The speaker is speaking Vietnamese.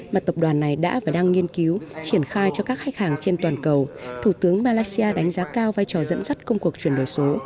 mà tập đoàn này đã và đang nghiên cứu triển khai cho các khách hàng trên toàn cầu thủ tướng malaysia đánh giá cao vai trò dẫn dắt công cuộc chuyển đổi số